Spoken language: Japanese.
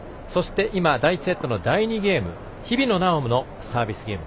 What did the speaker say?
今、第１セットの第２ゲーム日比野菜緒のサービスゲーム。